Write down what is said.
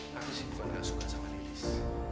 nanti sih bukan gak suka sama lilis